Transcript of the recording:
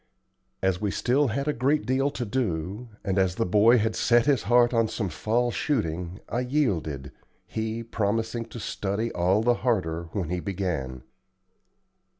As we still had a great deal to do, and as the boy had set his heart on some fall shooting, I yielded, he promising to study all the harder when he began.